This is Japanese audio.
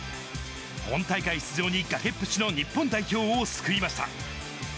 本大会出場に崖っぷちの日本代表を救いました。